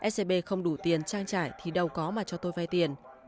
scb không đủ tiền trang trải thì đâu có mà cho tôi vay tiền